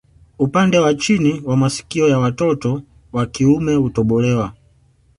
Upande wa chini wa masikio ya watoto wa kiume hutobolewa